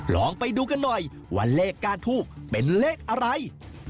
ลองไปดูกันหน่อยว่าเลขการทูบเป็นเลขอะไร